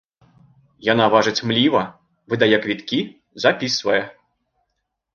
Яна важыць мліва, выдае квіткі, запісвае.